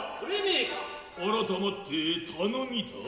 改まって頼みとは。